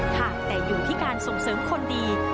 ค่ะแต่อยู่ที่การส่งเสริมคนดี